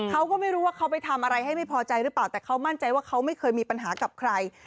เขาก็ไม่รู้ว่าเขาไปทำอะไรให้ไม่พอใจหรือเปล่าแต่เขามั่นใจว่าเขาไม่เคยมีปัญหากับใคร